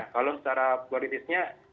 kalau secara kualitasnya